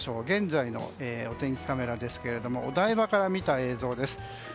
現在のお天気カメラですがお台場から見た映像です。